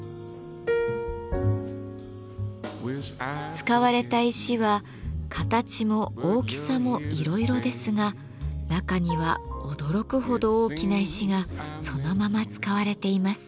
使われた石は形も大きさもいろいろですが中には驚くほど大きな石がそのまま使われています。